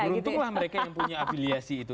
beruntunglah mereka yang punya afiliasi itu